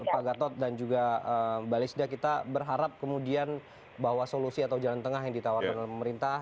pak gatot dan juga mbak lisda kita berharap kemudian bahwa solusi atau jalan tengah yang ditawarkan oleh pemerintah